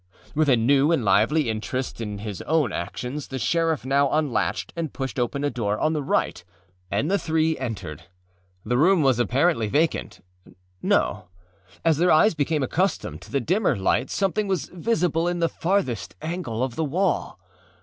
With a new and lively interest in his own actions the sheriff now unlatched and pushed open a door on the right, and the three entered. The room was apparently vacantâno; as their eyes became accustomed to the dimmer light something was visible in the farthest angle of the wall.